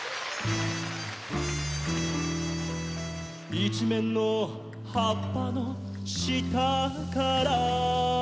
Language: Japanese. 「いちめんのはっぱのしたから」